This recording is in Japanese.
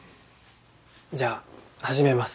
じゃあ始めます。